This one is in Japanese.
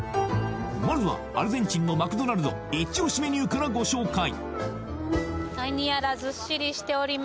まずはアルゼンチンのマクドナルドイチ押しメニューからご紹介